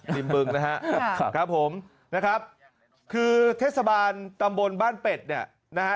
ริมบึงนะครับครับผมนะครับคือเทศบาลตำบลบ้านเป็ดเนี่ยนะฮะ